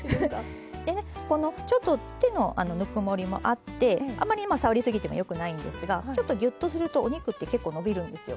でねこのちょっと手のぬくもりもあってあまり触り過ぎてもよくないんですがちょっとギュッとするとお肉って結構伸びるんですよ